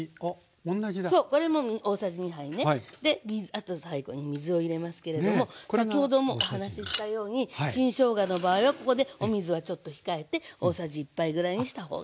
あと最後に水を入れますけれども先ほどもお話ししたように新しょうがの場合はここでお水はちょっと控えて大さじ１杯ぐらいにしたほうが。